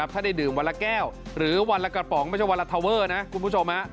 ถ้าได้ดื่มวันละแก้วหรือวันละกระป๋องไม่ใช่วันละทาเวอร์นะคุณผู้ชม